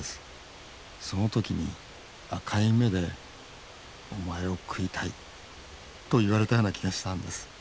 その時に赤い目で「お前を食いたい」と言われたような気がしたんです。